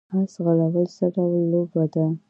اس ځغلول څه ډول لوبه ده؟